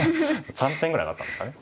３点ぐらい上がったんですかね。